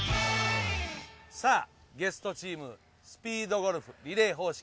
さぁゲストチームスピードゴルフリレー方式。